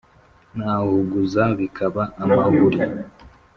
nahuguza bikaba amahuri